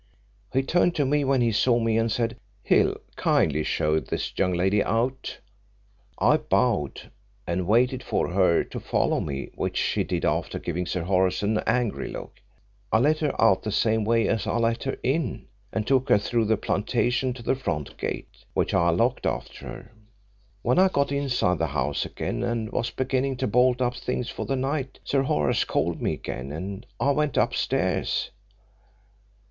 He turned to me when he saw me, and said, 'Hill, kindly show this young lady out,' I bowed and waited for her to follow me, which she did, after giving Sir Horace an angry look. I let her out the same way as I let her in, and took her through the plantation to the front gate, which I locked after her. When I got inside the house again, and was beginning to bolt up things for the night Sir Horace called me again and I went upstairs.